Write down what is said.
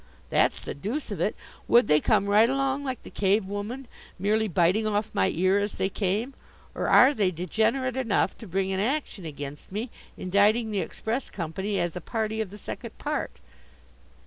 That's the deuce of it. Would they come right along, like the cave woman, merely biting off my ear as they came, or are they degenerate enough to bring an action against me, indicting the express company as a party of the second part?